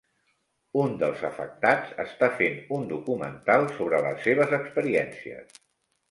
Un dels afectats està fent un documental sobre les seves experiències.